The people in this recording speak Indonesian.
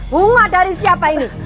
bunga dari siapa ini